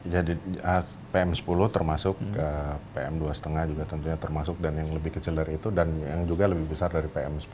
jadi pm sepuluh termasuk pm dua lima juga tentunya termasuk dan yang lebih kecil dari itu dan yang juga lebih besar dari pm sepuluh